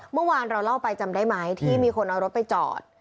เมื่อวานเราเล่าไปจำได้ไหมที่มีคนเอารถไปจอด